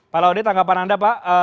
pak laude tanggapan anda pak